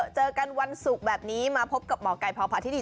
เจอกันวันสุดแบบนี้มาพบกับหมอกลัยพาพาทิณี